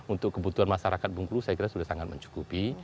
untuk kebutuhan masyarakat bungkulu saya kira sudah sangat mencukupi